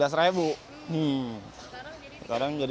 hmm sekarang jadi tiga puluh lima